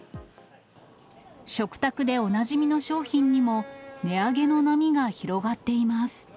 食卓でおなじみの商品にも、値上げの波が広がっています。